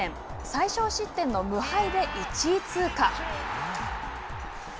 最少失点の無敗で１位通過。